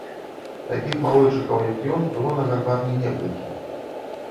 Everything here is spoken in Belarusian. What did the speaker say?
Такіх малойчыкаў, як ён, было на гарбарні некалькі.